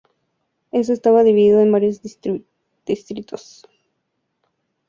Ezo estaba dividido en varios distritos.